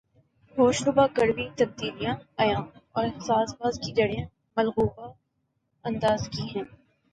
ہوشربا کڑوی تبدیلیاں عیاں اور سازباز کی جڑیں ملغوبہ انداز کی ہیں